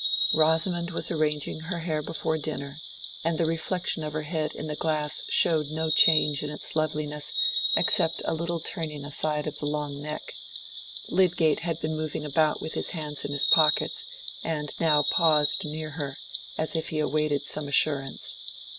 Rosamond was arranging her hair before dinner, and the reflection of her head in the glass showed no change in its loveliness except a little turning aside of the long neck. Lydgate had been moving about with his hands in his pockets, and now paused near her, as if he awaited some assurance.